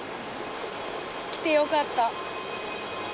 来てよかった。